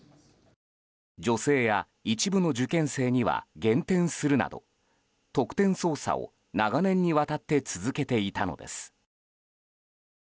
女性や一部の受験生には減点するなど得点操作を長年にわたって続けていたのです。